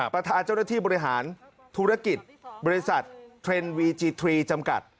ประธานเจ้าหน้าที่บริหารธุรกิจบริษัทเทรนด์วีจีทรีจำกัด